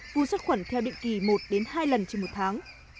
vu sát khuẩn theo định kỳ một đến hai lần trên một tháng